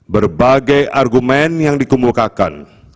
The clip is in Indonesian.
berbagai argumen yang dikemukakan